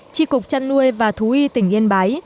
tri cục chăn nuôi và thú y tỉnh yên bái